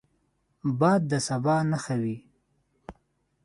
باد د سبا نښه وي